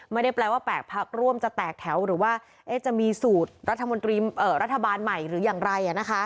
ไม่ได้แปลว่า๘พักร่วมจะแตกแถวหรือว่าจะมีสูตรรัฐมนตรีรัฐบาลใหม่หรืออย่างไร